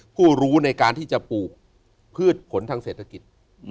ผู้รู้ในการที่จะปลูกพืชผลทางเศรษฐกิจ